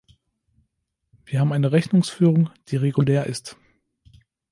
Wir haben eine Rechnungsführung, die regulär ist.